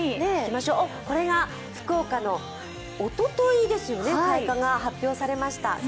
これが福岡の、おとといですよね、開花が発表されました。